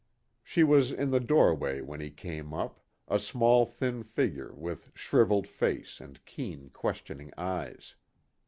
She was in the doorway when he came up, a small thin figure with shriveled face and keen, questioning eyes.